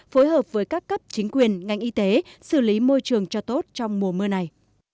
phối hợp với các cấp chính quyền ngành y tế xử lý môi trường cho tốt trong mùa mưa này